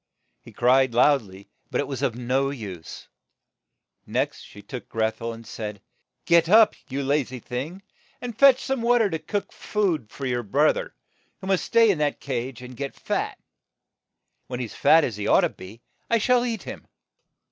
He cried loud ly, but it was of no use. Next she shook Greth el, and said, "Get up, you la zy thing, and fetch some wa ter to cook some food for your broth er, who must stay in that cage and get fat. When he is fat as he ought to be, I shall eat him."